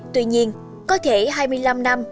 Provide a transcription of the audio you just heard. tuy nhiên có thể hai mươi năm năm